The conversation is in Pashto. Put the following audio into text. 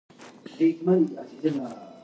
عجيبه حال مو وليد .